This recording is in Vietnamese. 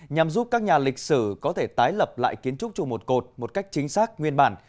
nhằm giúp các nhà lịch sử có thể tái lập lại kiến trúc chùa một cột một cách chính xác nguyên bản